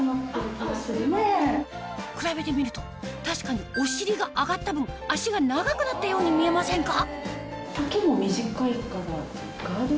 ・比べてみると確かにお尻が上がった分脚が長くなったように見えませんか？